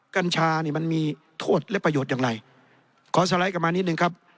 กัญชานี่มันมีโทษและประโยชน์อย่างไรขอสไลด์กลับมานิดนึงครับ